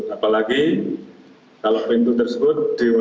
apalagi kalau pintu tersebut